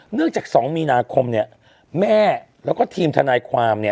เนื่องจากสองมีนาคมเนี่ยแม่แล้วก็ทีมธนายความเนี่ย